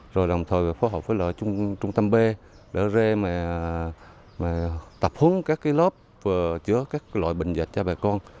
rồi đồng thời phối hợp với lợi trung tâm b để tập hướng các cái lớp chữa các loại bệnh dạy cho bà con